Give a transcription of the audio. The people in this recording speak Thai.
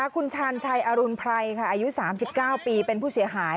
คุณชาญชัยอรุณไพรค่ะอายุ๓๙ปีเป็นผู้เสียหาย